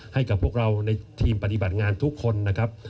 ให้กับพวกเราในทีมปฏิบัติงานทุกคนนะครับ